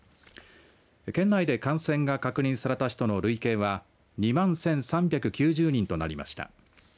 県内で感染が確認された人の累計は２万１３９０人となりました。